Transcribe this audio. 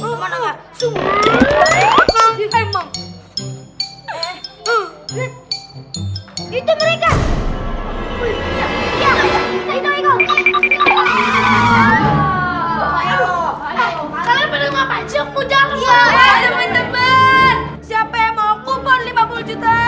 teman teman siapa yang mau kupon lima puluh juta